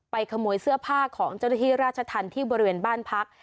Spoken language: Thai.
ไปขโมยเสื้อผ้าของเจ้าที่ราชทันที่บริเวณบ้านพัก